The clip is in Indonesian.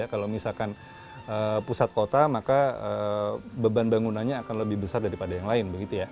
kalau misalkan pusat kota maka beban bangunannya akan lebih besar daripada yang lain